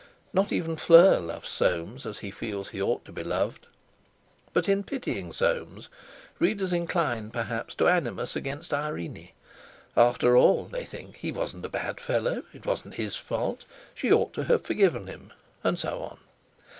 Not even Fleur loves Soames as he feels he ought to be loved. But in pitying Soames, readers incline, perhaps, to animus against Irene: After all, they think, he wasn't a bad fellow, it wasn't his fault; she ought to have forgiven him, and so on!